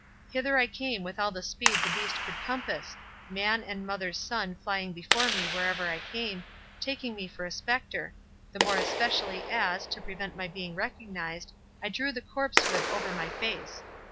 Hither I came with all the speed the beast could compass—man and mother's son flying before me wherever I came, taking me for a spectre, the more especially as, to prevent my being recognised, I drew the corpse hood over my face.